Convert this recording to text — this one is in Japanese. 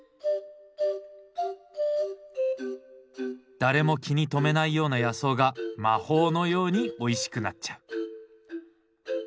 誰も気に留めないような野草が魔法のようにおいしくなっちゃう。